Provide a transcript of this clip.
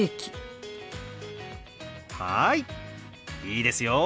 いいですよ。